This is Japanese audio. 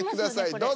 どうぞ。